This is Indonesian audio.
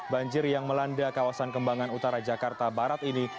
banjir yang melanda kawasan kembangan utara jakarta barat ini